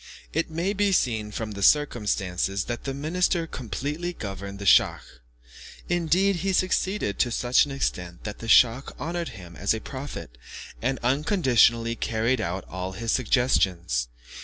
It may be seen from this circumstance that the minister completely governed the schach; indeed he succeeded to such an extent, that the schach honoured him as a prophet, and unconditionally carried out all his suggestions.